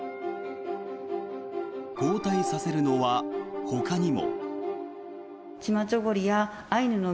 交代させるのはほかにも。